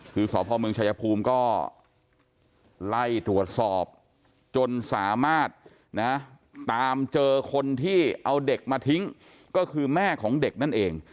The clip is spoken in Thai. คือสพเมืองชายภูมิก็ไล่ตรวจสอบจนสามารถนะตามเจอคนที่เอาเด็กมาทิ้งก็คือแม่ของเด็กนั่นเอง